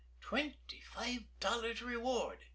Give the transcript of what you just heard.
"Twenty five dollars reward!"